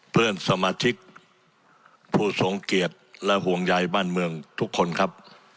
เพื่อนสมาชิกผู้ทรงเกียรติและห่วงใยบ้านเมืองทุกคนครับ